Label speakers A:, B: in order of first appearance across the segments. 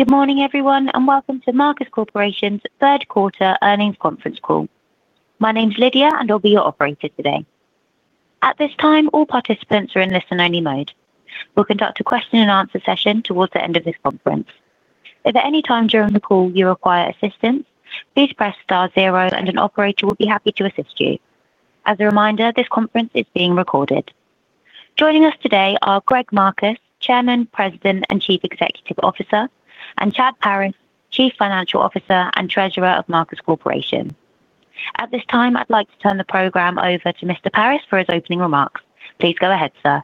A: Good morning, everyone, and welcome to Marcus Corporation's Third Quarter Earnings Conference Call. My name's Lydia, and I'll be your operator today. At this time, all participants are in listen-only mode. We'll conduct a question-and-answer session towards the end of this conference. If at any time during the call you require assistance, please press star zero, and an operator will be happy to assist you. As a reminder, this conference is being recorded. Joining us today are Greg Marcus, Chairman, President, and Chief Executive Officer, and Chad Paris, Chief Financial Officer and Treasurer of Marcus Corporation. At this time, I'd like to turn the program over to Mr. Paris for his opening remarks. Please go ahead, sir.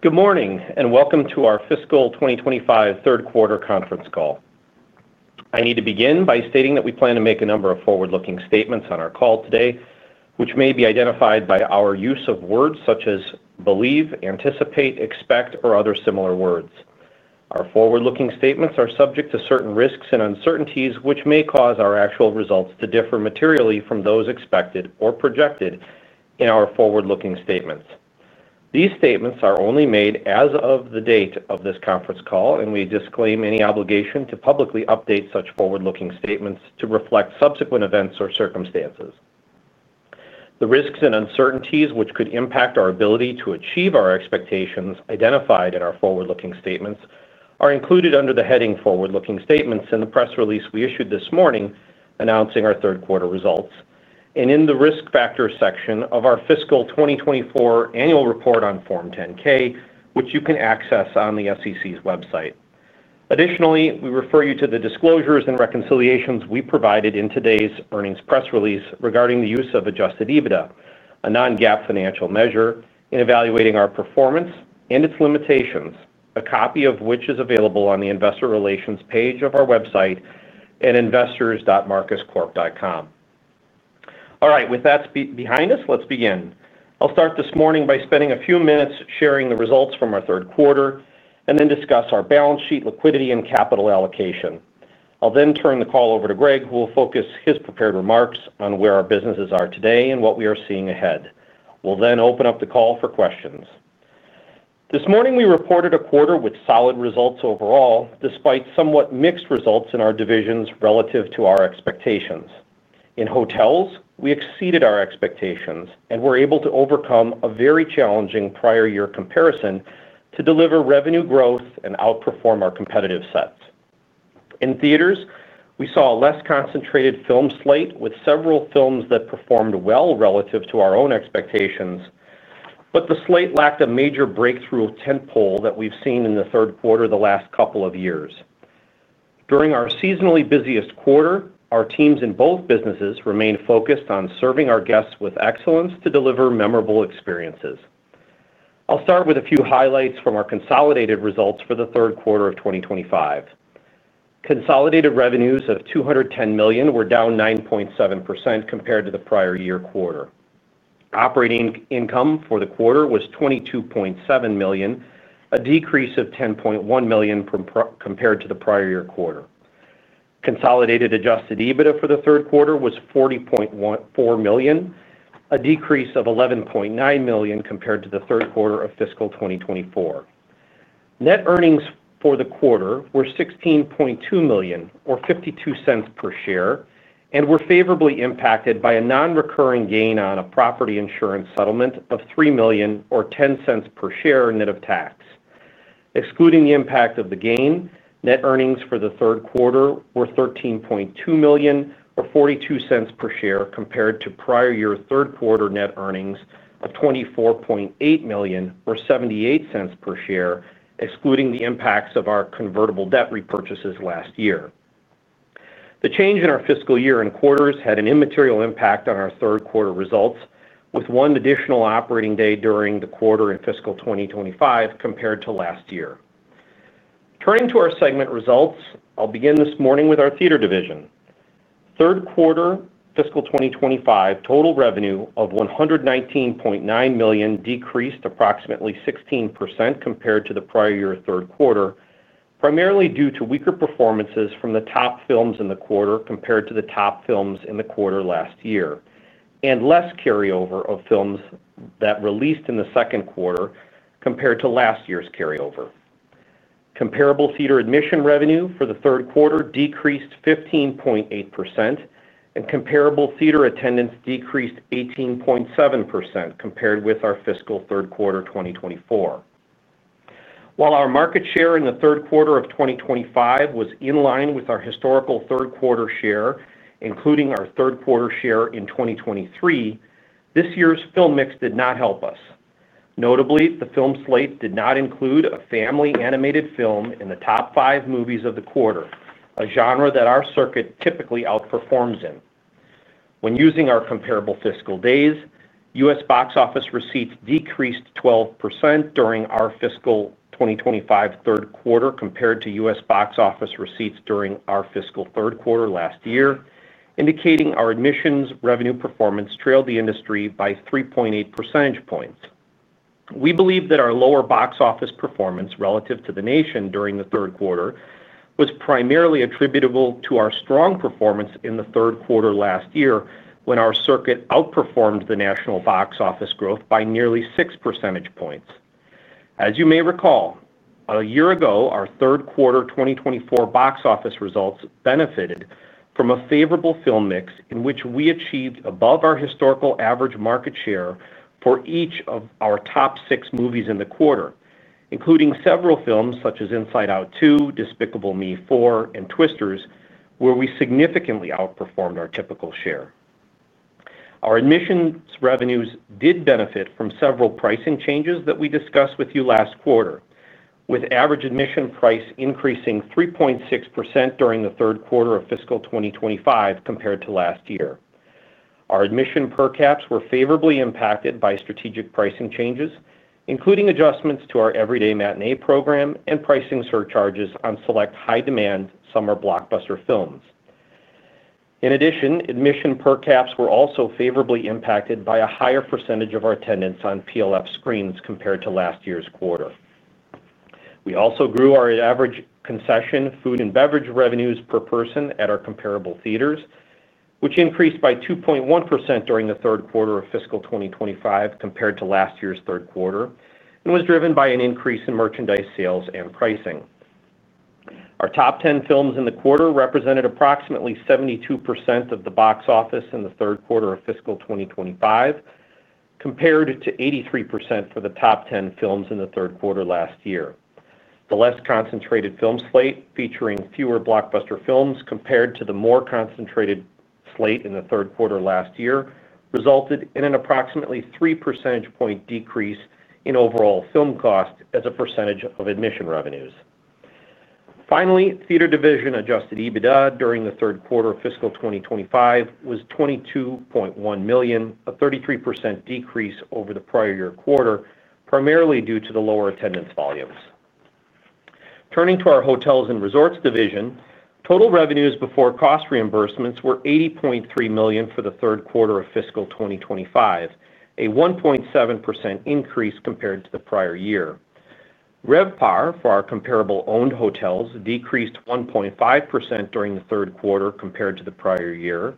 B: Good morning, and welcome to our fiscal 2025 third quarter conference call. I need to begin by stating that we plan to make a number of forward-looking statements on our call today, which may be identified by our use of words such as believe, anticipate, expect, or other similar words. Our forward-looking statements are subject to certain risks and uncertainties, which may cause our actual results to differ materially from those expected or projected in our forward-looking statements. These statements are only made as of the date of this conference call, and we disclaim any obligation to publicly update such forward-looking statements to reflect subsequent events or circumstances. The risks and uncertainties which could impact our ability to achieve our expectations identified in our forward-looking statements are included under the heading "Forward-looking Statements" in the press release we issued this morning announcing our third quarter results, and in the Risk Factors section of our fiscal 2024 annual report on Form 10-K, which you can access on the SEC's website. Additionally, we refer you to the disclosures and reconciliations we provided in today's earnings press release regarding the use of adjusted EBITDA, a non-GAAP financial measure, in evaluating our performance and its limitations, a copy of which is available on the Investor Relations page of our website at investors.marcuscorp.com. With that behind us, let's begin. I'll start this morning by spending a few minutes sharing the results from our third quarter and then discuss our balance sheet, liquidity, and capital allocation. I'll then turn the call over to Greg, who will focus his prepared remarks on where our businesses are today and what we are seeing ahead. We'll then open up the call for questions. This morning, we reported a quarter with solid results overall, despite somewhat mixed results in our divisions relative to our expectations. In hotels, we exceeded our expectations and were able to overcome a very challenging prior year comparison to deliver revenue growth and outperform our competitive sets. In theaters, we saw a less concentrated film slate with several films that performed well relative to our own expectations, but the slate lacked a major breakthrough tentpole that we've seen in the third quarter of the last couple of years. During our seasonally busiest quarter, our teams in both businesses remained focused on serving our guests with excellence to deliver memorable experiences. I'll start with a few highlights from our consolidated results for the third quarter of 2025. Consolidated revenues of $210 million were down 9.7% compared to the prior year quarter. Operating income for the quarter was $22.7 million, a decrease of $10.1 million compared to the prior year quarter. Consolidated adjusted EBITDA for the third quarter was $40.4 million, a decrease of $11.9 million compared to the third quarter of fiscal 2024. Net earnings for the quarter were $16.2 million, or $0.52 per share, and were favorably impacted by a non-recurring gain on a property insurance settlement of $3 million, or $0.10 per share, net of tax. Excluding the impact of the gain, net earnings for the third quarter were $13.2 million, or $0.42 per share, compared to prior year third quarter net earnings of $24.8 million, or $0.78 per share, excluding the impacts of our convertible debt repurchases last year. The change in our fiscal year-end quarters had an immaterial impact on our third quarter results, with one additional operating day during the quarter in fiscal 2025 compared to last year. Turning to our segment results, I'll begin this morning with our theater division. Third quarter fiscal 2025 total revenue of $119.9 million decreased approximately 16% compared to the prior year third quarter, primarily due to weaker performances from the top films in the quarter compared to the top films in the quarter last year, and less carryover of films that released in the second quarter compared to last year's carryover. Comparable theater admission revenue for the third quarter decreased 15.8%, and comparable theater attendance decreased 18.7% compared with our fiscal third quarter 2024. While our market share in the third quarter of 2025 was in line with our historical third quarter share, including our third quarter share in 2023, this year's film mix did not help us. Notably, the film slate did not include a family animated film in the top five movies of the quarter, a genre that our circuit typically outperforms in. When using our comparable fiscal days, U.S. box office receipts decreased 12% during our fiscal 2025 third quarter compared to U.S. box office receipts during our fiscal third quarter last year, indicating our admissions revenue performance trailed the industry by 3.8 percentage points. We believe that our lower box office performance relative to the nation during the third quarter was primarily attributable to our strong performance in the third quarter last year when our circuit outperformed the national box office growth by nearly 6 percentage points. As you may recall, a year ago, our third quarter 2024 box office results benefited from a favorable film mix in which we achieved above our historical average market share for each of our top six movies in the quarter, including several films such as Inside Out 2, Despicable Me 4, and Twisters, where we significantly outperformed our typical share. Our admissions revenues did benefit from several pricing changes that we discussed with you last quarter, with average admission price increasing 3.6% during the third quarter of fiscal 2025 compared to last year. Our admission per caps were favorably impacted by strategic pricing changes, including adjustments to our Everyday Matinee program and pricing surcharges on select high-demand summer blockbuster films. In addition, admission per caps were also favorably impacted by a higher percentage of our attendance on PLF screens compared to last year's quarter. We also grew our average concession food and beverage revenues per person at our comparable theaters, which increased by 2.1% during the third quarter of fiscal 2025 compared to last year's third quarter, and was driven by an increase in merchandise sales and pricing. Our top 10 films in the quarter represented approximately 72% of the box office in the third quarter of fiscal 2025, compared to 83% for the top 10 films in the third quarter last year. The less concentrated film slate, featuring fewer blockbuster films compared to the more concentrated slate in the third quarter last year, resulted in an approximately 3 percentage points decrease in overall film cost as a percentage of admission revenues. Finally, Theater Division adjusted EBITDA during the third quarter of fiscal 2025 was $22.1 million, a 33% decrease over the prior year quarter, primarily due to the lower attendance volumes. Turning to our Hotels and Resorts division, total revenues before cost reimbursements were $80.3 million for the third quarter of fiscal 2025, a 1.7% increase compared to the prior year. RevPAR for our comparable owned hotels decreased 1.5% during the third quarter compared to the prior year,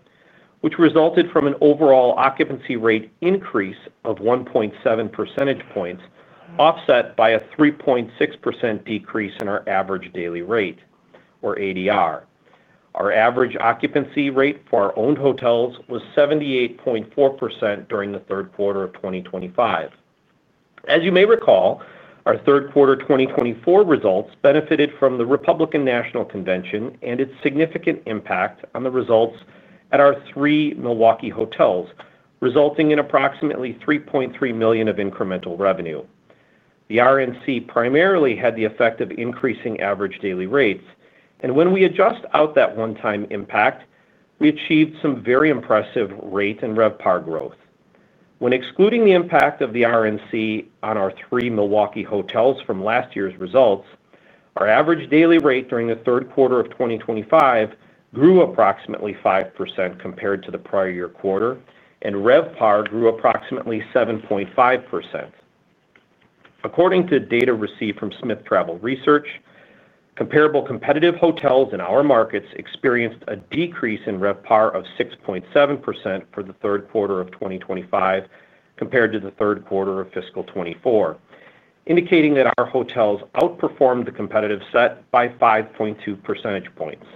B: which resulted from an overall occupancy rate increase of 1.7 percentage points, offset by a 3.6% decrease in our average daily rate, or ADR. Our average occupancy rate for our owned hotels was 78.4% during the third quarter of 2025. As you may recall, our third quarter 2024 results benefited from the Republican National Convention and its significant impact on the results at our three Milwaukee hotels, resulting in approximately $3.3 million of incremental revenue. The RNC primarily had the effect of increasing average daily rates, and when we adjust out that one-time impact, we achieved some very impressive rate and RevPAR growth. When excluding the impact of the RNC on our three Milwaukee hotels from last year's results, our average daily rate during the third quarter of 2025 grew approximately 5% compared to the prior year quarter, and RevPAR grew approximately 7.5%. According to data received from Smith Travel Research, comparable competitive hotels in our markets experienced a decrease in RevPAR of 6.7% for the third quarter of 2025 compared to the third quarter of fiscal 2024, indicating that our hotels outperformed the competitive set by 5.2 percentage points.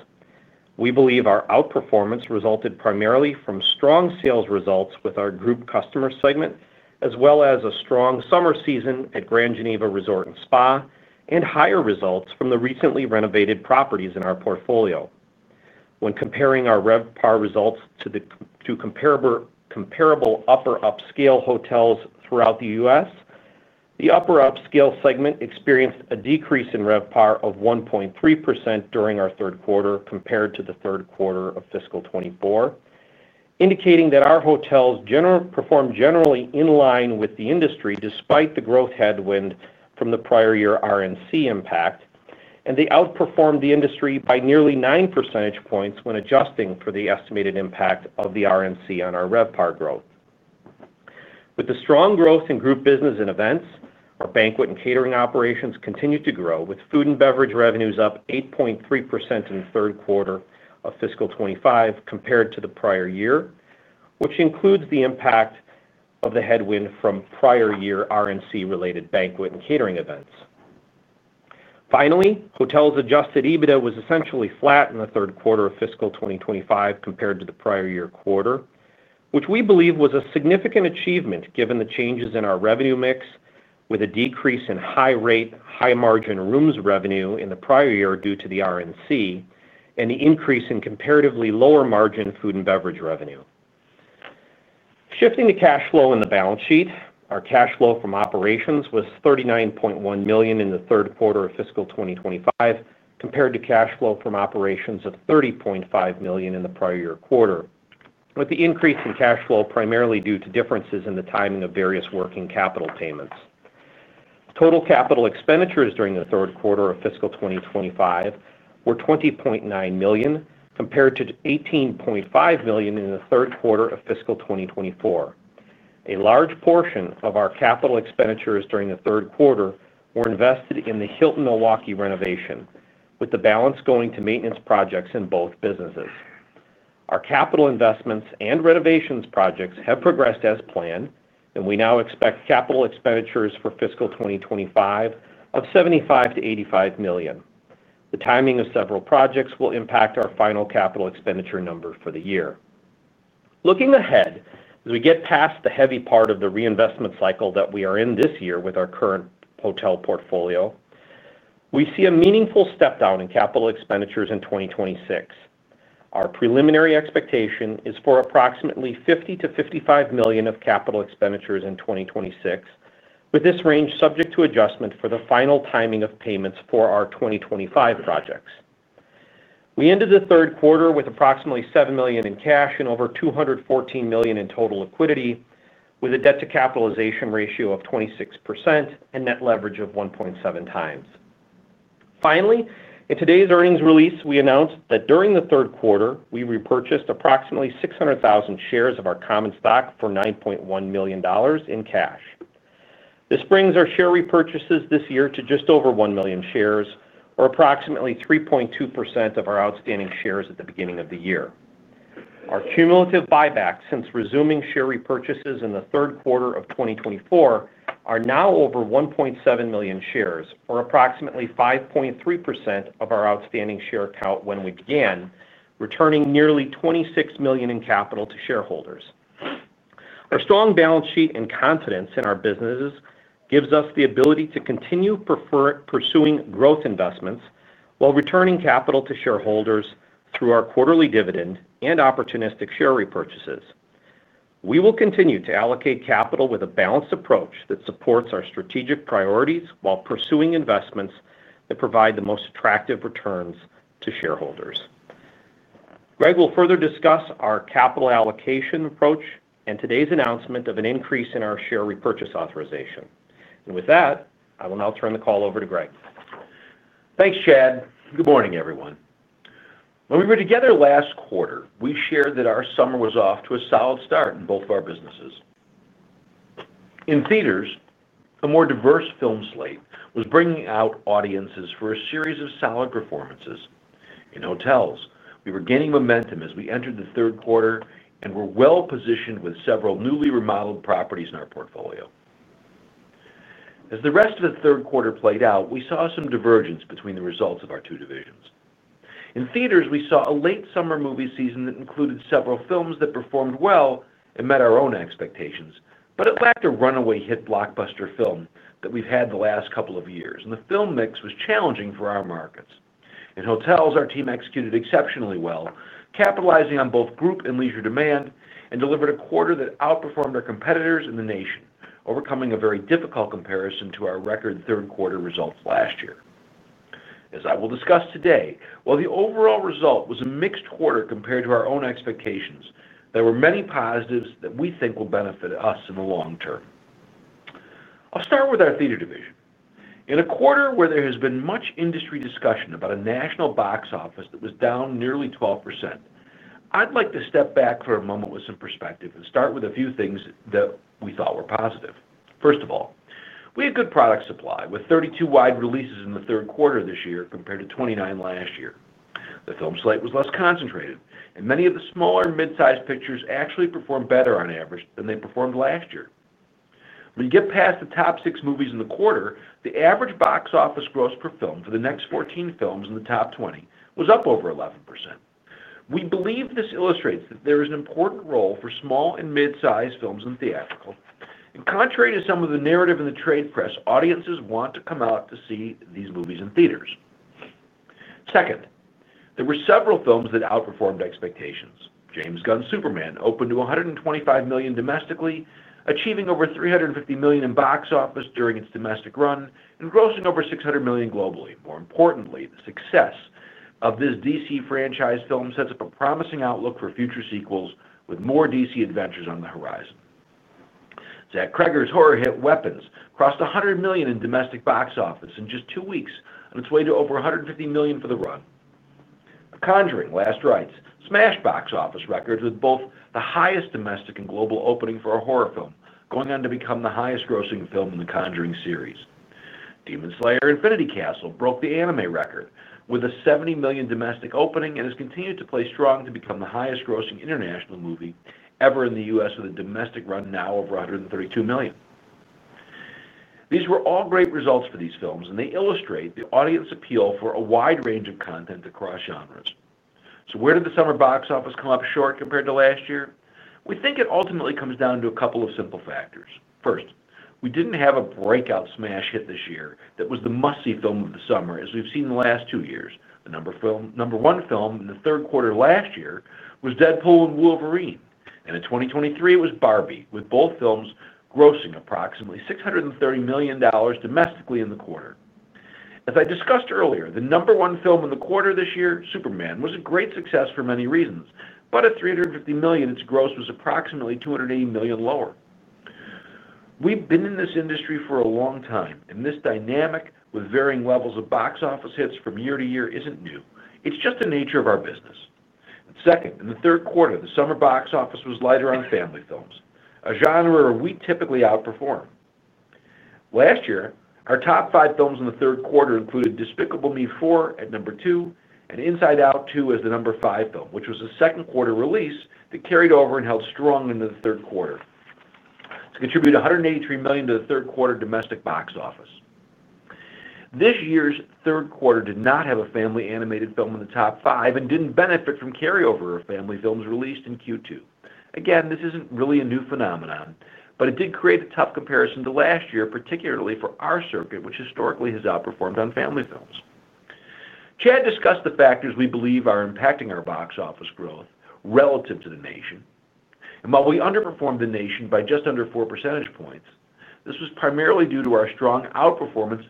B: We believe our outperformance resulted primarily from strong sales results with our group customer segment, as well as a strong summer season at Grand Geneva Resort & Spa, and higher results from the recently renovated properties in our portfolio. When comparing our RevPAR results to comparable upper-upscale hotels throughout the U.S., the upper-upscale segment experienced a decrease in RevPAR of 1.3% during our third quarter compared to the third quarter of fiscal 2024, indicating that our hotels performed generally in line with the industry despite the growth headwind from the prior year RNC impact, and they outperformed the industry by nearly 9 percentage points when adjusting for the estimated impact of the RNC on our RevPAR growth. With the strong growth in group business and events, our banquet and catering operations continued to grow, with food and beverage revenues up 8.3% in the third quarter of fiscal 2025 compared to the prior year, which includes the impact of the headwind from prior year RNC-related banquet and catering events. Finally, hotels' adjusted EBITDA was essentially flat in the third quarter of fiscal 2025 compared to the prior year quarter, which we believe was a significant achievement given the changes in our revenue mix, with a decrease in high-rate, high-margin rooms revenue in the prior year due to the RNC, and the increase in comparatively lower-margin food and beverage revenue. Shifting to cash flow in the balance sheet, our cash flow from operations was $39.1 million in the third quarter of fiscal 2025 compared to cash flow from operations of $30.5 million in the prior year quarter, with the increase in cash flow primarily due to differences in the timing of various working capital payments. Total capital expenditures during the third quarter of fiscal 2025 were $20.9 million compared to $18.5 million in the third quarter of fiscal 2024. A large portion of our capital expenditures during the third quarter were invested in the Hilton Milwaukee renovation, with the balance going to maintenance projects in both businesses. Our capital investments and renovation projects have progressed as planned, and we now expect capital expenditures for fiscal 2025 of $75 million-$85 million. The timing of several projects will impact our final capital expenditure number for the year. Looking ahead, as we get past the heavy part of the reinvestment cycle that we are in this year with our current hotel portfolio, we see a meaningful step down in capital expenditures in 2026. Our preliminary expectation is for approximately $50 million-$55 million of capital expenditures in 2026, with this range subject to adjustment for the final timing of payments for our 2025 projects. We ended the third quarter with approximately $7 million in cash and over $214 million in total liquidity, with a debt-to-capitalization ratio of 26% and net leverage of 1.7x. Finally, in today's earnings release, we announced that during the third quarter, we repurchased approximately 600,000 shares of our common stock for $9.1 million in cash. This brings our share repurchases this year to just over 1 million shares, or approximately 3.2% of our outstanding shares at the beginning of the year. Our cumulative buybacks since resuming share repurchases in the third quarter of 2024 are now over 1.7 million shares, or approximately 5.3% of our outstanding share count when we began, returning nearly $26 million in capital to shareholders. Our strong balance sheet and confidence in our businesses gives us the ability to continue pursuing growth investments while returning capital to shareholders through our quarterly dividend and opportunistic share repurchases. We will continue to allocate capital with a balanced approach that supports our strategic priorities while pursuing investments that provide the most attractive returns to shareholders. Greg will further discuss our capital allocation approach and today's announcement of an increase in our share repurchase authorization. With that, I will now turn the call over to Greg.
C: Thanks, Chad. Good morning, everyone. When we were together last quarter, we shared that our summer was off to a solid start in both of our businesses. In theaters, a more diverse film slate was bringing out audiences for a series of solid performances. In hotels, we were gaining momentum as we entered the third quarter and were well-positioned with several newly remodeled properties in our portfolio. As the rest of the third quarter played out, we saw some divergence between the results of our two divisions. In theaters, we saw a late summer movie season that included several films that performed well and met our own expectations, but it lacked a runaway hit blockbuster film that we've had the last couple of years, and the film mix was challenging for our markets. In hotels, our team executed exceptionally well, capitalizing on both group and leisure demand, and delivered a quarter that outperformed our competitors in the nation, overcoming a very difficult comparison to our record third quarter results last year. As I will discuss today, while the overall result was a mixed quarter compared to our own expectations, there were many positives that we think will benefit us in the long term. I'll start with our theater division. In a quarter where there has been much industry discussion about a national box office that was down nearly 12%, I'd like to step back for a moment with some perspective and start with a few things that we thought were positive. First of all, we had good product supply with 32 wide releases in the third quarter of this year compared to 29 last year. The film slate was less concentrated, and many of the smaller mid-sized pictures actually performed better on average than they performed last year. When you get past the top six movies in the quarter, the average box office gross per film for the next 14 films in the top 20 was up over 11%. We believe this illustrates that there is an important role for small and mid-sized films in theatrical, and contrary to some of the narrative in the trade press, audiences want to come out to see these movies in theaters. Second, there were several films that outperformed expectations. James Gunn's Superman opened to $125 million domestically, achieving over $350 million in box office during its domestic run and grossing over $600 million globally. More importantly, the success of this DC franchise film sets up a promising outlook for future sequels with more DC adventures on the horizon. Zach Cregger's horror hit Weapons crossed $100 million in domestic box office in just two weeks, on its way to over $150 million for the run. The Conjuring: Last Rites smashed box office records with both the highest domestic and global opening for a horror film, going on to become the highest-grossing film in The Conjuring series. Demon Slayer: Infinity Castle broke the anime record with a $70 million domestic opening and has continued to play strong to become the highest-grossing international movie ever in the U.S. with a domestic run now over $132 million. These were all great results for these films, and they illustrate the audience appeal for a wide range of content across genres. Where did the summer box office come up short compared to last year? We think it ultimately comes down to a couple of simple factors. First, we didn't have a breakout smash hit this year that was the must-see film of the summer, as we've seen in the last two years. The number one film in the third quarter last year was Deadpool & Wolverine, and in 2023, it was Barbie, with both films grossing approximately $630 million domestically in the quarter. As I discussed earlier, the number one film in the quarter this year, Superman, was a great success for many reasons, but at $350 million, its gross was approximately $280 million lower. We've been in this industry for a long time, and this dynamic with varying levels of box office hits from year-to-year isn't new. It's just the nature of our business. In the third quarter, the summer box office was lighter on family films, a genre we typically outperform. Last year, our top five films in the third quarter included Despicable Me 4 at number two and Inside Out 2 as the number five film, which was a second quarter release that carried over and held strong into the third quarter. To contribute $183 million to the third quarter domestic box office. This year's third quarter did not have a family animated film in the top five and didn't benefit from carryover of family films released in Q2. This isn't really a new phenomenon, but it did create a tough comparison to last year, particularly for our circuit, which historically has outperformed on family films. Chad discussed the factors we believe are impacting our box office growth relative to the nation. While we underperformed the nation by just under 4 percentage points, this was primarily due to our strong outperformance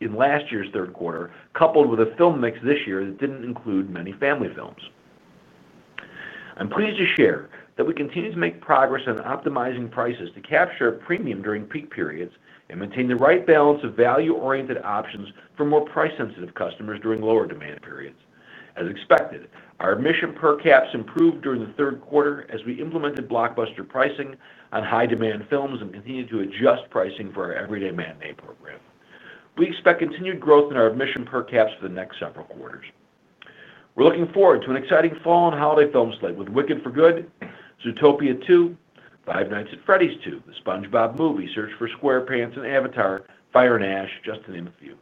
C: in last year's third quarter, coupled with a film mix this year that didn't include many family films. I'm pleased to share that we continue to make progress on optimizing prices to capture a premium during peak periods and maintain the right balance of value-oriented options for more price-sensitive customers during lower demand periods. As expected, our admission per caps improved during the third quarter as we implemented blockbuster pricing on high-demand films and continued to adjust pricing for our Everyday Matinee program. We expect continued growth in our admission per caps for the next several quarters. We're looking forward to an exciting fall and holiday film slate with Wicked: For Good, Zootopia 2, Five Nights at Freddy's 2, The SpongeBob Movie: Search for SquarePants, and Avatar: Fire and Ash, just to name a few.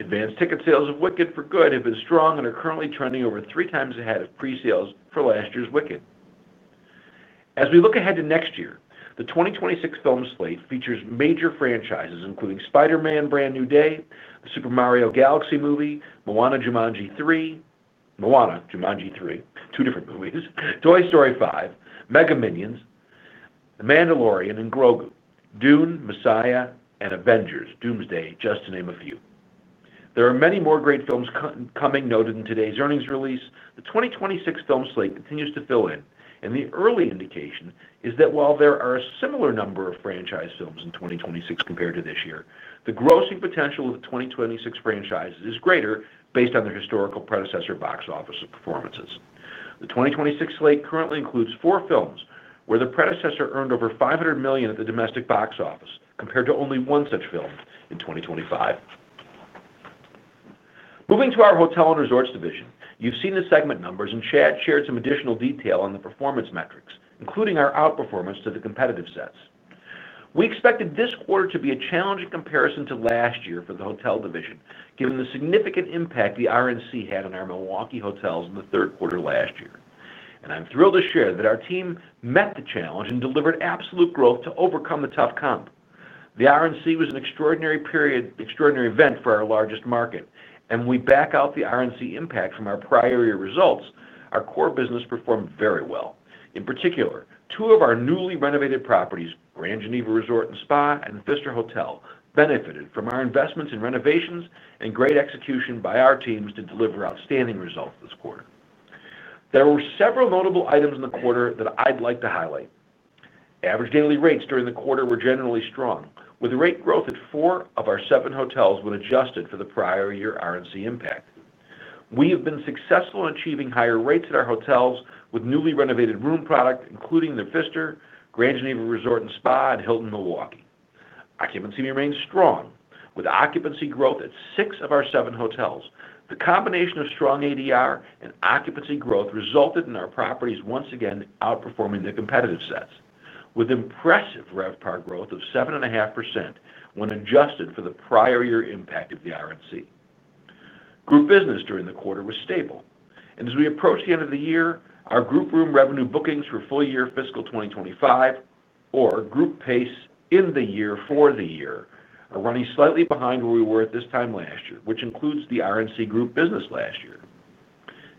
C: Advanced ticket sales of Wicked: For Good have been strong and are currently trending over 3x ahead of pre-sales for last year's Wicked. As we look ahead to next year, the 2026 film slate features major franchises including Spider-Man: Brand New Day, The Super Mario Galaxy Movie, Moana, Jumanji 3, two different movies, Toy Story 5, Mega Minions, The Mandalorian and Grogu, Dune: Messiah, and Avengers: Doomsday, just to name a few. There are many more great films coming, noted in today's earnings release. The 2026 film slate continues to fill in, and the early indication is that while there are a similar number of franchise films in 2026 compared to this year, the grossing potential of the 2026 franchises is greater based on their historical predecessor box office performances. The 2026 slate currently includes four films where the predecessor earned over $500 million at the domestic box office compared to only one such film in 2025. Moving to our Hotels and Resorts division, you've seen the segment numbers, and Chad shared some additional detail on the performance metrics, including our outperformance to the competitive sets. We expected this quarter to be a challenging comparison to last year for the hotel division, given the significant impact the RNC had on our Milwaukee hotels in the third quarter last year. I'm thrilled to share that our team met the challenge and delivered absolute growth to overcome the tough comp. The RNC was an extraordinary event for our largest market. If we back out the RNC impact from our prior year results, our core business performed very well. In particular, two of our newly renovated properties, Grand Geneva Resort & Spa and Pfister hotel, benefited from our investments in renovations and great execution by our teams to deliver outstanding results this quarter. There were several notable items in the quarter that I'd like to highlight. Average daily rates during the quarter were generally strong, with rate growth at four of our seven hotels when adjusted for the prior year RNC. We have been successful in achieving higher rates at our hotels with newly renovated room product, including the Pfister, Grand Geneva Resort & Spa, and Hilton Milwaukee. Occupancy remains strong, with occupancy growth at six of our seven hotels. The combination of strong ADR and occupancy growth resulted in our properties once again outperforming the competitive sets, with impressive RevPAR growth of 7.5% when adjusted for the prior year impact of the RNC. Group business during the quarter was stable. As we approach the end of the year, our group room revenue bookings for full year fiscal 2025, or group pace in the year for the year, are running slightly behind where we were at this time last year, which includes the RNC Group business last year.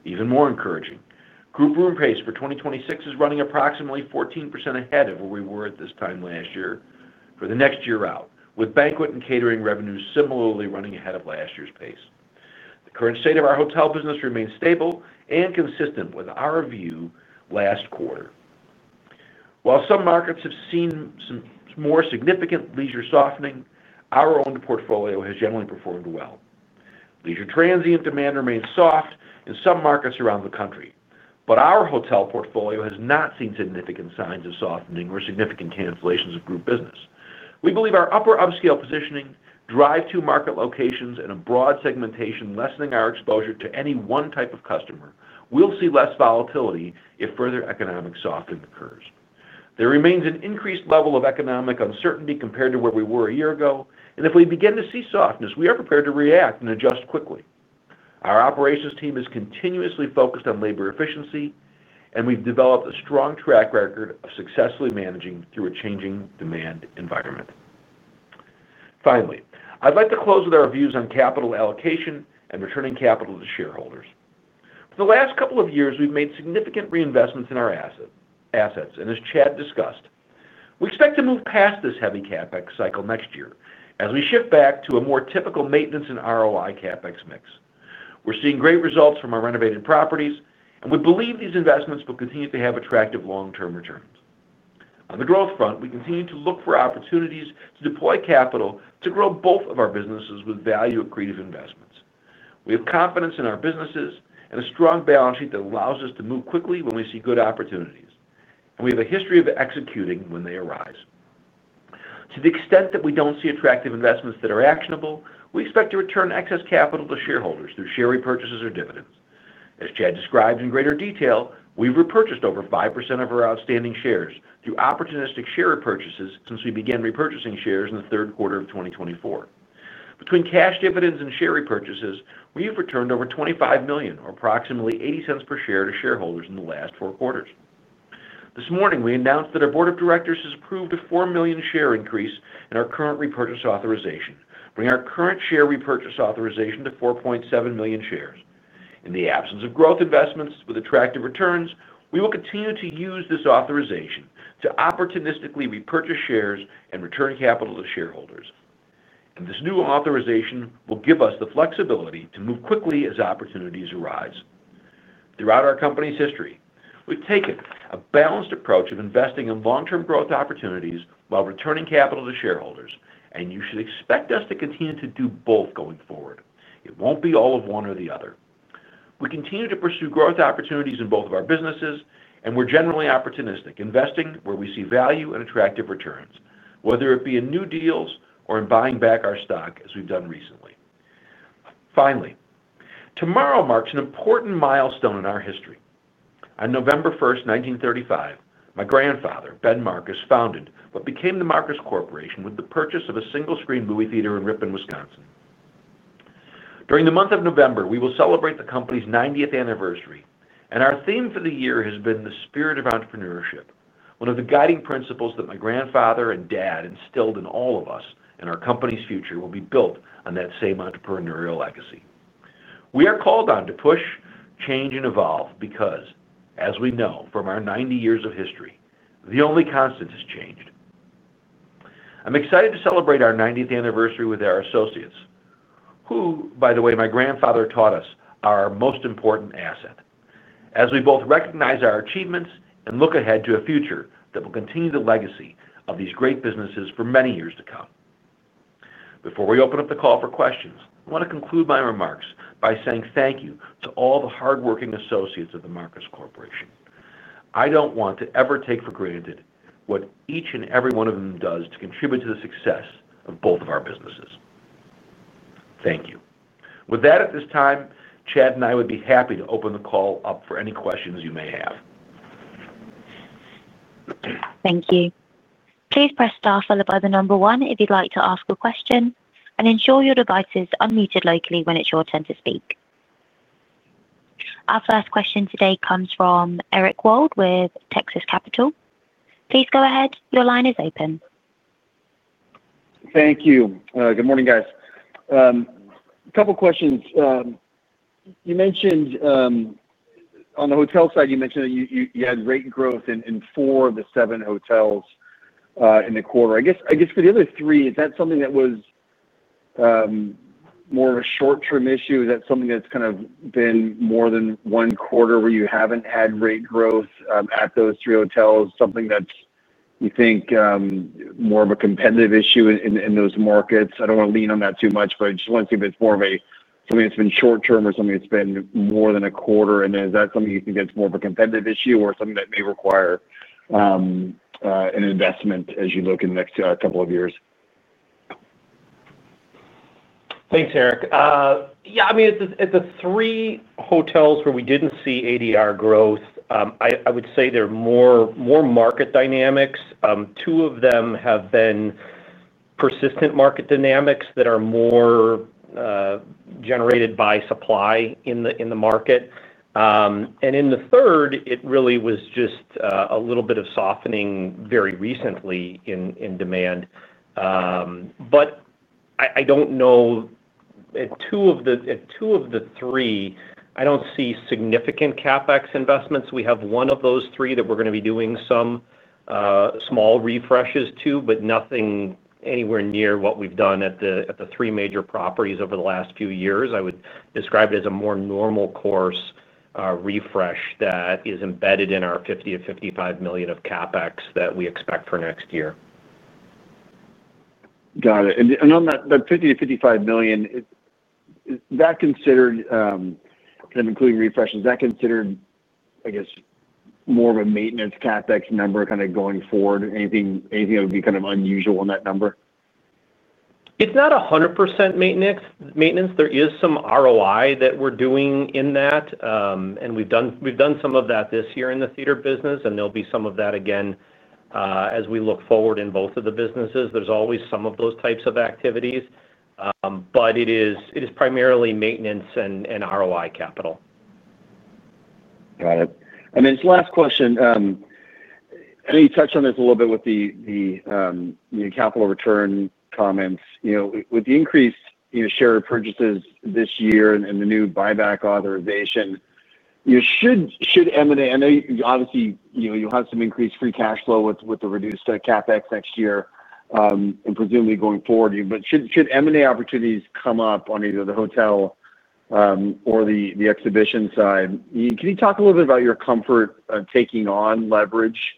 C: Even more encouraging, group room pace for 2026 is running approximately 14% ahead of where we were at this time last year for the next year out, with banquet and catering revenues similarly running ahead of last year's pace. The current state of our hotel business remains stable and consistent with our view last quarter. While some markets have seen some more significant leisure softening, our own portfolio has generally performed well. Leisure transient demand remains soft in some markets around the country, but our hotel portfolio has not seen significant signs of softening or significant cancellations of group business. We believe our upper upscale positioning, drive-through market locations, and a broad segmentation lessening our exposure to any one type of customer will see less volatility if further economic softening occurs. There remains an increased level of economic uncertainty compared to where we were a year ago, and if we begin to see softness, we are prepared to react and adjust quickly. Our operations team is continuously focused on labor efficiency, and we've developed a strong track record of successfully managing through a changing demand environment. Finally, I'd like to close with our views on capital allocation and returning capital to shareholders. For the last couple of years, we've made significant reinvestments in our assets, and as Chad discussed, we expect to move past this heavy CapEx cycle next year as we shift back to a more typical maintenance and ROI CapEx mix. We're seeing great results from our renovated properties, and we believe these investments will continue to have attractive long-term returns. On the growth front, we continue to look for opportunities to deploy capital to grow both of our businesses with value-accretive investments. We have confidence in our businesses and a strong balance sheet that allows us to move quickly when we see good opportunities, and we have a history of executing when they arise. To the extent that we don't see attractive investments that are actionable, we expect to return excess capital to shareholders through share repurchases or dividends. As Chad described in greater detail, we've repurchased over 5% of our outstanding shares through opportunistic share repurchases since we began repurchasing shares in the third quarter of 2024. Between cash dividends and share repurchases, we've returned over $25 million, or approximately $0.80 per share to shareholders in the last four quarters. This morning, we announced that our Board of Directors has approved a 4 million share increase in our current repurchase authorization, bringing our current share repurchase authorization to 4.7 million shares. In the absence of growth investments with attractive returns, we will continue to use this authorization to opportunistically repurchase shares and return capital to shareholders. This new authorization will give us the flexibility to move quickly as opportunities arise. Throughout our company's history, we've taken a balanced approach of investing in long-term growth opportunities while returning capital to shareholders, and you should expect us to continue to do both going forward. It won't be all of one or the other. We continue to pursue growth opportunities in both of our businesses, and we're generally opportunistic, investing where we see value and attractive returns, whether it be in new deals or in buying back our stock as we've done recently. Finally, tomorrow marks an important milestone in our history. On November 1st, 1935, my grandfather, Ben Marcus, founded what became The Marcus Corporation with the purchase of a single-screen movie theater in Ripon, Wisconsin. During the month of November, we will celebrate the company's 90th anniversary, and our theme for the year has been the spirit of entrepreneurship, one of the guiding principles that my grandfather and dad instilled in all of us, and our company's future will be built on that same entrepreneurial legacy. We are called on to push, change, and evolve because, as we know from our 90 years of history, the only constant is change. I'm excited to celebrate our 90th anniversary with our associates, who, by the way, my grandfather taught us, are our most important asset. As we both recognize our achievements and look ahead to a future that will continue the legacy of these great businesses for many years to come. Before we open up the call for questions, I want to conclude my remarks by saying thank you to all the hardworking associates of The Marcus Corporation. I don't want to ever take for granted what each and every one of them does to contribute to the success of both of our businesses. Thank you. With that, at this time, Chad and I would be happy to open the call up for any questions you may have.
A: Thank you. Please press star followed by the number one if you'd like to ask a question, and ensure your device is unmuted locally when it's your turn to speak. Our first question today comes from Eric Wold with Texas Capital. Please go ahead. Your line is open.
D: Thank you. Good morning, guys. A couple of questions. On the hotel side, you mentioned that you had rate growth in four of the seven hotels in the quarter. I guess for the other three, is that something that was more of a short-term issue? Is that something that's kind of been more than one quarter where you haven't had rate growth at those three hotels? Something that you think is more of a competitive issue in those markets? I don't want to lean on that too much, but I just want to see if it's more of something that's been short-term or something that's been more than a quarter. Is that something you think that's more of a competitive issue or something that may require an investment as you look in the next couple of years?
B: Thanks, Eric. Yeah, I mean, at the three hotels where we didn't see ADR growth, I would say they're more market dynamics. Two of them have been persistent market dynamics that are more generated by supply in the market. In the third, it really was just a little bit of softening very recently in demand. At two of the three, I don't see significant CapEx investments. We have one of those three that we're going to be doing some small refreshes to, but nothing anywhere near what we've done at the three major properties over the last few years. I would describe it as a more normal course refresh that is embedded in our $50 million-$55 million of CapEx that we expect for next year.
D: Got it. On that $50 million-$55 million, is that considered including refreshes, is that considered, I guess, more of a maintenance CapEx number kind of going forward? Anything that would be kind of unusual in that number?
B: It's not 100% maintenance. There is some ROI that we're doing in that. We've done some of that this year in the theater business, and there'll be some of that again as we look forward in both of the businesses. There's always some of those types of activities, but it is primarily maintenance and ROI capital.
D: Got it. Last question. I know you touched on this a little bit with the capital return comments. With the increased share purchases this year and the new share repurchase authorization, should M&A—I know you obviously have some increased free cash flow with the reduced CapEx next year, and presumably going forward—but should M&A opportunities come up on either the hotel or the exhibition side, can you talk a little bit about your comfort taking on leverage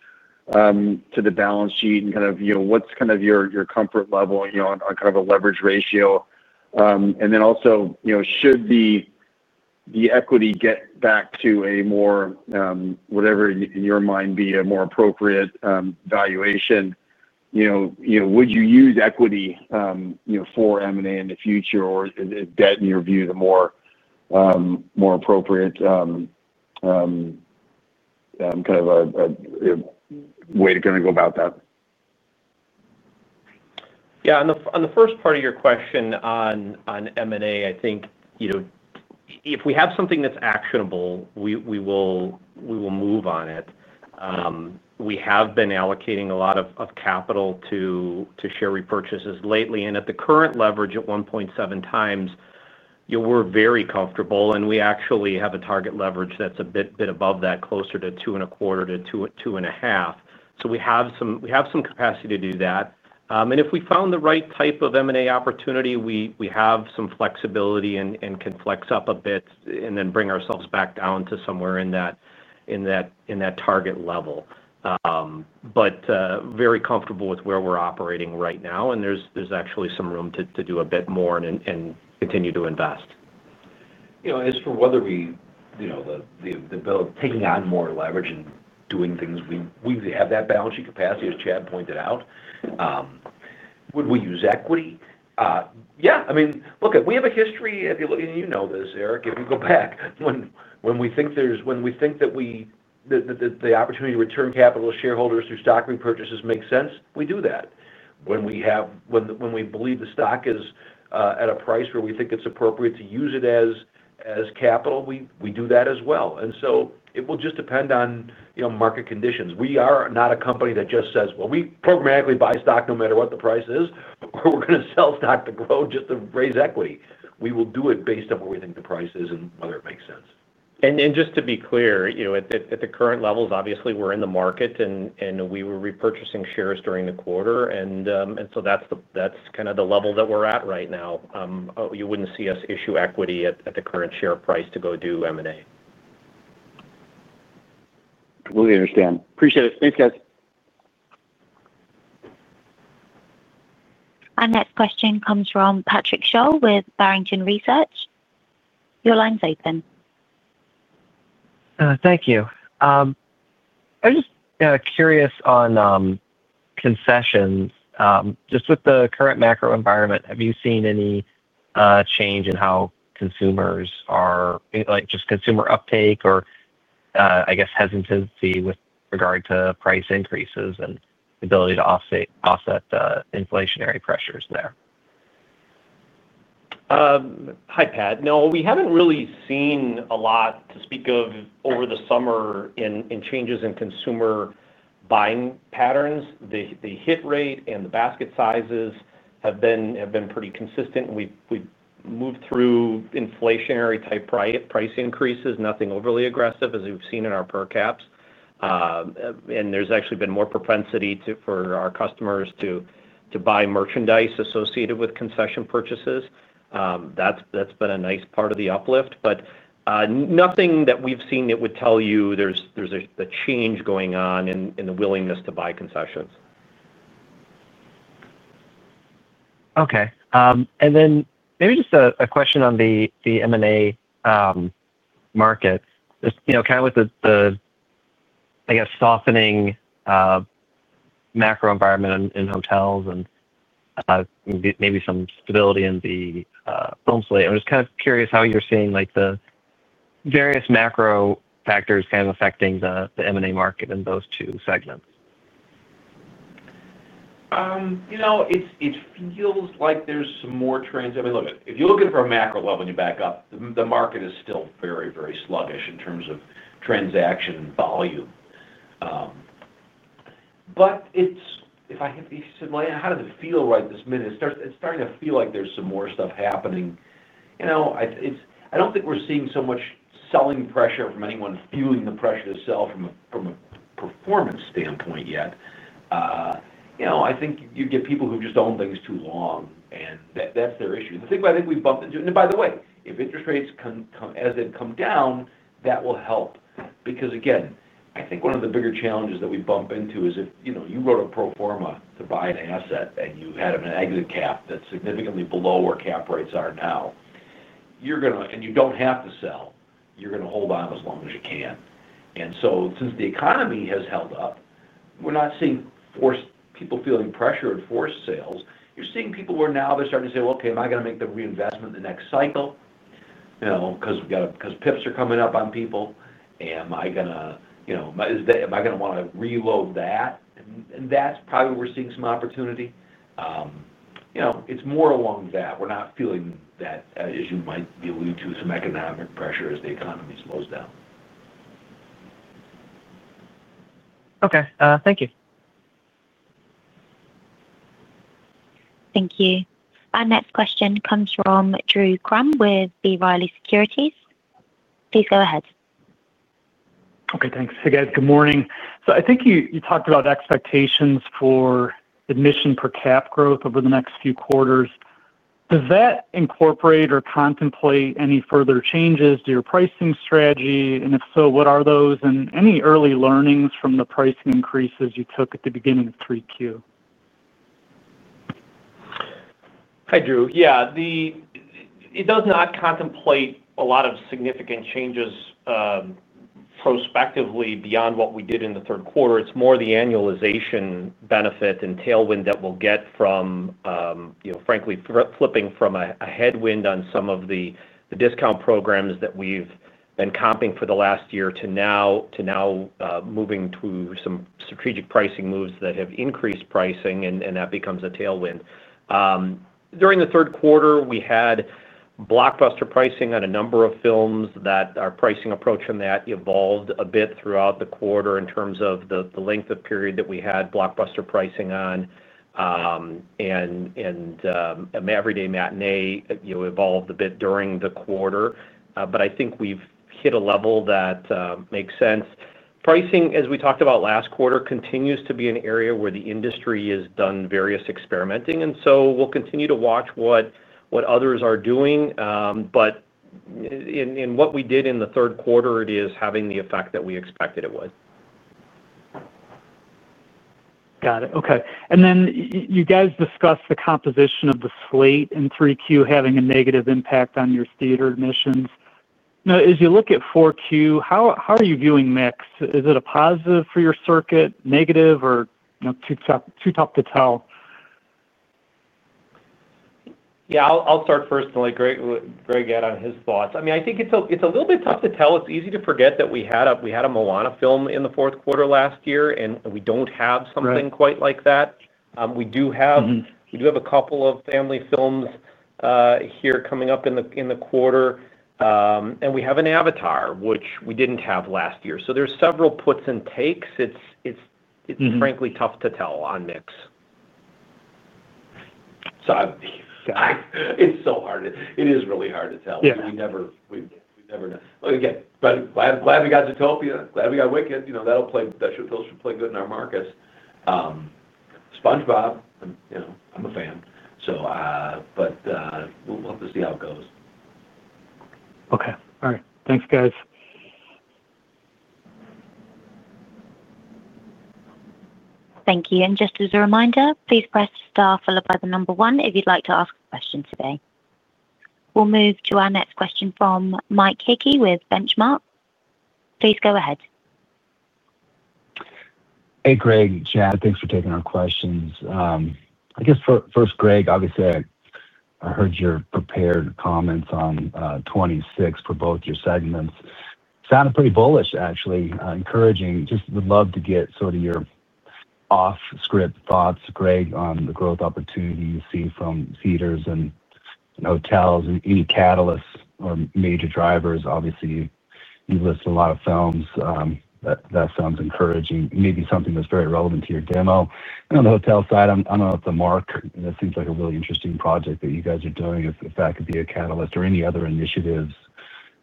D: to the balance sheet and kind of what's your comfort level on a leverage ratio? Also, should the equity get back to a more, whatever in your mind, be a more appropriate valuation, would you use equity for M&A in the future, or is debt, in your view, the more Appropriate way to kind of go about that?
B: Yeah. On the first part of your question on M&A, I think if we have something that's actionable, we will move on it. We have been allocating a lot of capital to share repurchases lately. At the current leverage at 1.7x, we're very comfortable, and we actually have a target leverage that's a bit above that, closer to two and a quarter to two and a half. We have some capacity to do that. If we found the right type of M&A opportunity, we have some flexibility and can flex up a bit and then bring ourselves back down to somewhere in that target level. Very comfortable with where we're operating right now, and there's actually some room to do a bit more and continue to invest.
C: As for whether we are taking on more leverage and doing things, we have that balance sheet capacity, as Chad pointed out. Would we use equity? Yeah. I mean, look, we have a history—and you know this, Eric—if you go back. When we think there's an opportunity to return capital to shareholders through stock repurchases that makes sense, we do that. When we believe the stock is at a price where we think it's appropriate to use it as capital, we do that as well. It will just depend on market conditions. We are not a company that just says, "We programmatically buy stock no matter what the price is, or we're going to sell stock to grow just to raise equity." We will do it based on what we think the price is and whether it makes sense.
B: Just to be clear, at the current levels, obviously, we're in the market, and we were repurchasing shares during the quarter. That's kind of the level that we're at right now. You wouldn't see us issue equity at the current share price to go do M&A.
D: Completely understand. Appreciate it. Thanks, guys.
A: Our next question comes from Patrick Sholl with Barrington Research. Your line's open.
E: Thank you. I'm just curious on concessions. Just with the current macro environment, have you seen any change in how consumers are—just consumer uptake or hesitancy with regard to price increases and the ability to offset inflationary pressures there?
B: Hi, Pat. No. We haven't really seen a lot, to speak of, over the summer in changes in consumer buying patterns. The hit rate and the basket sizes have been pretty consistent. We've moved through inflationary-type price increases, nothing overly aggressive, as we've seen in our per caps. There's actually been more propensity for our customers to buy merchandise associated with concession purchases. That's been a nice part of the uplift. Nothing that we've seen would tell you there's a change going on in the willingness to buy concessions.
E: Okay. Maybe just a question on the M&A markets. With the softening macro environment in hotels and maybe some stability in the film slate, I'm just kind of curious how you're seeing the various macro factors affecting the M&A market in those two segments.
C: It feels like there's some more—I mean, if you look at it from a macro level and you back up, the market is still very, very sluggish in terms of transaction volume. If I had to explain how does it feel right this minute, it's starting to feel like there's some more stuff happening. I don't think we're seeing so much selling pressure from anyone feeling the pressure to sell from a performance standpoint yet. I think you get people who've just owned things too long, and that's their issue. The thing I think we bumped into—and by the way, if interest rates, as they come down, that will help. Again, I think one of the bigger challenges that we bump into is if you wrote a pro forma to buy an asset and you had an exit cap that's significantly below where cap rates are now, and you don't have to sell, you're going to hold on as long as you can. Since the economy has held up, we're not seeing people feeling pressure and forced sales. You're seeing people where now they're starting to say, "Okay, am I going to make the reinvestment the next cycle? Because PIPs are coming up on people. Am I going to want to reload that?" That's probably where we're seeing some opportunity. It's more along that. We're not feeling that, as you might be alluding to, some economic pressure as the economy slows down.
E: Okay. Thank you.
A: Thank you. Our next question comes from Drew Crum with B. Riley Securities. Please go ahead.
F: Okay. Thanks. Hey, guys. Good morning. I think you talked about expectations for admission per cap growth over the next few quarters. Does that incorporate or contemplate any further changes to your pricing strategy? If so, what are those? Any early learnings from the pricing increases you took at the beginning of 3Q?
B: Hi, Drew. Yeah. It does not contemplate a lot of significant changes prospectively beyond what we did in the third quarter. It's more the annualization benefit and tailwind that we'll get from, frankly, flipping from a headwind on some of the discount programs that we've been comping for the last year to now moving to some strategic pricing moves that have increased pricing, and that becomes a tailwind. During the third quarter, we had blockbuster pricing on a number of films. Our pricing approach on that evolved a bit throughout the quarter in terms of the length of period that we had blockbuster pricing on, and Everyday Matinee evolved a bit during the quarter. I think we've hit a level that makes sense. Pricing, as we talked about last quarter, continues to be an area where the industry has done various experimenting. We will continue to watch what others are doing. In what we did in the third quarter, it is having the effect that we expected it would.
F: Got it. Okay. You guys discussed the composition of the slate in 3Q having a negative impact on your theater admissions. Now, as you look at 4Q, how are you viewing mix? Is it a positive for your circuit, negative, or too tough to tell?
B: Yeah. I'll start first, and let Greg add on his thoughts. I mean, I think it's a little bit tough to tell. It's easy to forget that we had a Moana film in the fourth quarter last year, and we don't have something quite like that. We do have a couple of family films here coming up in the quarter, and we have an Avatar, which we didn't have last year. There are several puts and takes. It's frankly tough to tell on mix.
C: It's so hard. It is really hard to tell. We never know. Again, glad we got Zootopia. Glad we got Wicked. Those should play good in our markets. SpongeBob, I'm a fan. We'll have to see how it goes.
F: Okay. All right. Thanks, guys.
A: Thank you. Just as a reminder, please press star followed by the number one if you'd like to ask a question today. We'll move to our next question from Mike Hickey with Benchmark. Please go ahead.
G: Hey, Greg. Thanks for taking our questions. I guess first, Greg, obviously, I heard your prepared comments on 2026 for both your segments. Sounded pretty bullish, actually. Encouraging. Just would love to get sort of your off-script thoughts, Greg, on the growth opportunity you see from theaters and hotels and any catalysts or major drivers. Obviously, you list a lot of films. That sounds encouraging. Maybe something that's very relevant to your demo. On the hotel side, I don't know if the Mark seems like a really interesting project that you guys are doing, if that could be a catalyst, or any other initiatives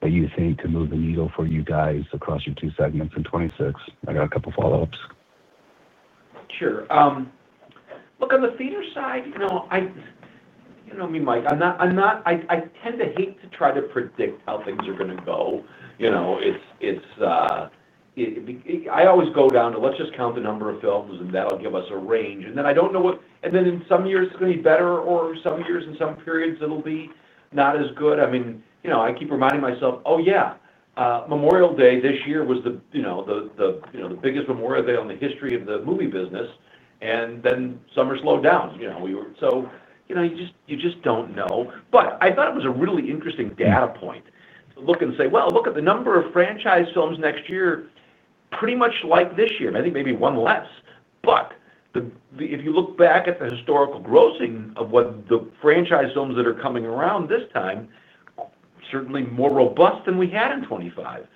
G: that you think could move the needle for you guys across your two segments in 2026. I got a couple of follow-ups.
C: Sure. Look, on the theater side, you know me, Mike. I tend to hate to try to predict how things are going to go. I always go down to, "Let's just count the number of films, and that'll give us a range." I don't know what—in some years, it's going to be better, or some years, in some periods, it'll be not as good. I keep reminding myself, "Oh, yeah. Memorial Day this year was the biggest Memorial Day in the history of the movie business." Some are slowed down. You just don't know. I thought it was a really interesting data point to look and say, "Look at the number of franchise films next year, pretty much like this year." I think maybe one less. If you look back at the historical grossing of the franchise films that are coming around this time, certainly more robust than we had in 2025.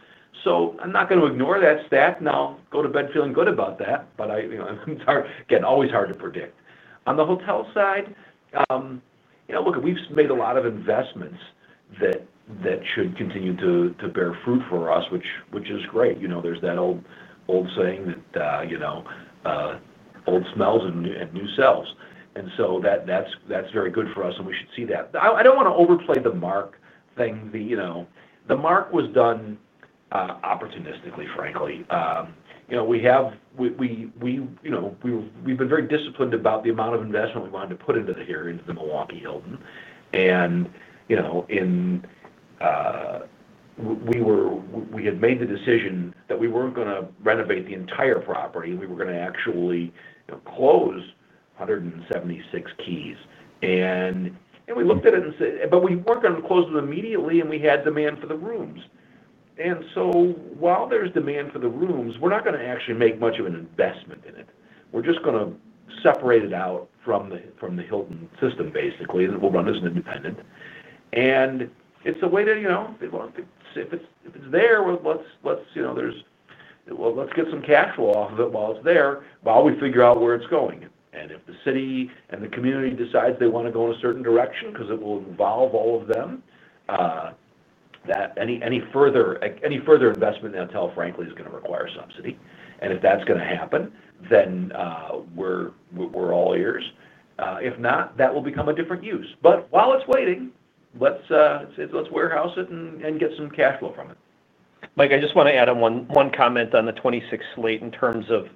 C: I'm not going to ignore that stat. I go to bed feeling good about that. Again, always hard to predict. On the hotel side, we've made a lot of investments that should continue to bear fruit for us, which is great. There's that old saying, "Old smells and new sells." That's very good for us, and we should see that. I don't want to overplay the Mark thing. The Mark was done opportunistically, frankly. We've been very disciplined about the amount of investment we wanted to put into here, into the Hilton Milwaukee. We had made the decision that we weren't going to renovate the entire property. We were going to actually close 176 keys. We looked at it and said, "We weren't going to close them immediately, and we had demand for the rooms." While there's demand for the rooms, we're not going to actually make much of an investment in it. We're just going to separate it out from the Hilton system, basically, and we'll run it as an independent. It's a way to, "If it's there, let's get some cash flow off of it while it's there, but I'll always figure out where it's going." If the city and the community decide they want to go in a certain direction because it will involve all of them, any further investment in that hotel, frankly, is going to require subsidy. If that's going to happen, we're all ears. If not, that will become a different use. While it's waiting, let's warehouse it and get some cash flow from it.
B: Mike, I just want to add one comment on the 2026 slate in terms of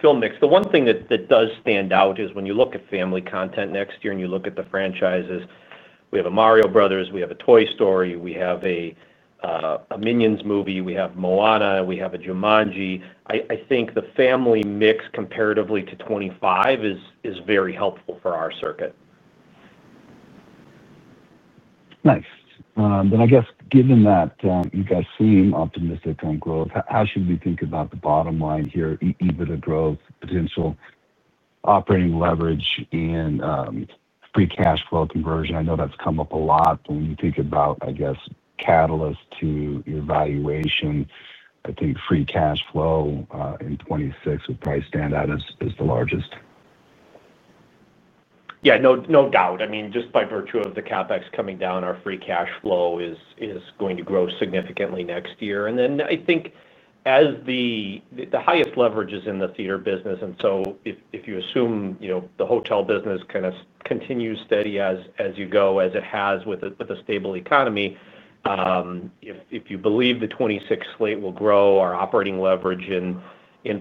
B: film mix. The one thing that does stand out is when you look at family content next year and you look at the franchises, we have a Mario Brothers, we have a Toy Story, we have a Minions movie, we have Moana, we have a Jumanji. I think the family mix comparatively to 2025 is very helpful for our circuit.
G: Nice. I guess, given that you guys seem optimistic on growth, how should we think about the bottom line here, even the growth potential, operating leverage, and free cash flow conversion? I know that's come up a lot. When you think about, I guess, catalyst to your valuation, I think free cash flow in 2026 would probably stand out as the largest.
B: Yeah. No doubt. Just by virtue of the CapEx coming down, our free cash flow is going to grow significantly next year. I think the highest leverage is in the theater business. If you assume the hotel business kind of continues steady as you go, as it has with a stable economy, if you believe the 2026 slate will grow, our operating leverage in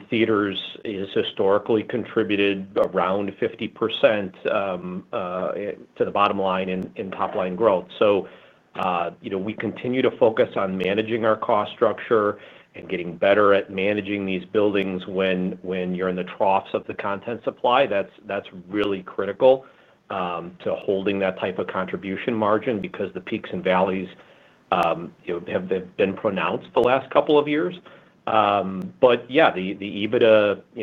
B: theaters has historically contributed around 50% to the bottom line in top-line growth. We continue to focus on managing our cost structure and getting better at managing these buildings when you're in the troughs of the content supply. That's really critical to holding that type of contribution margin because the peaks and valleys have been pronounced the last couple of years. The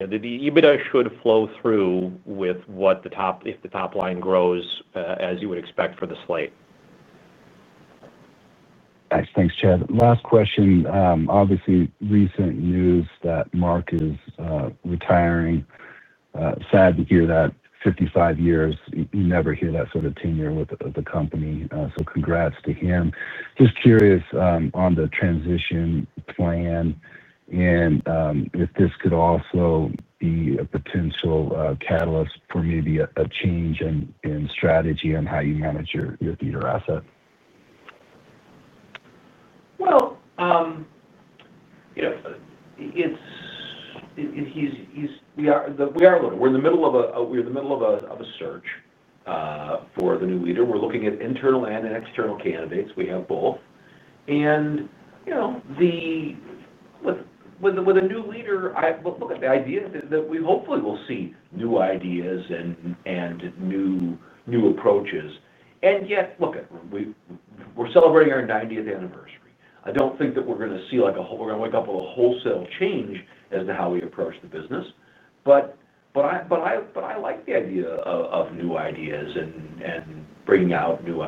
B: EBITDA should flow through if the top line grows as you would expect for the slate.
G: Thanks, Chad. Last question. Obviously, recent news that Mark is retiring. Sad to hear that. 55 years, you never hear that sort of tenure with the company. Congrats to him. Just curious on the transition plan and if this could also be a potential catalyst for maybe a change in strategy on how you manage your theater asset.
C: We are looking—we're in the middle of a search for the new leader. We're looking at internal and external candidates. We have both. With a new leader, look at the idea that we hopefully will see new ideas and new approaches. Yet, look at, we're celebrating our 90th anniversary. I don't think that we're going to see a wholesale change as to how we approach the business. I like the idea of new ideas and bringing out new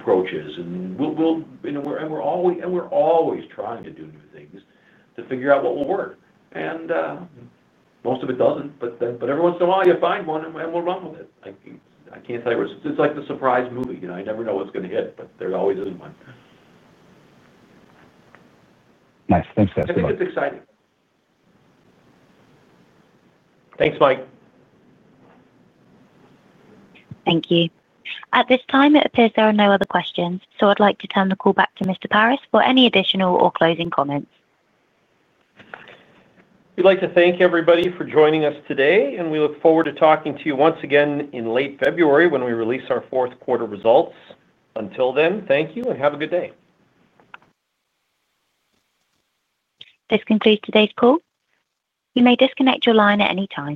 C: approaches. We're always trying to do new things to figure out what will work. Most of it doesn't, but every once in a while, you find one, and we'll run with it. I can't tell you where it's—it's like the surprise movie. I never know what's going to hit, but there always is one.
G: Nice. Thanks, Chad.
B: It's exciting. Thanks, Mike.
A: Thank you. At this time, it appears there are no other questions. I'd like to turn the call back to Mr. Paris for any additional or closing comments.
B: We'd like to thank everybody for joining us today, and we look forward to talking to you once again in late February when we release our fourth quarter results. Until then, thank you, and have a good day.
A: This concludes today's call. You may disconnect your line at any time.